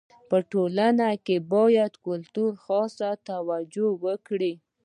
په ټولنه کي باید کلتور ته خاصه توجو وکړي.